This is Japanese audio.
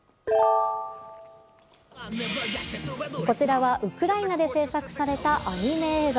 こちらはウクライナで制作されたアニメ映画。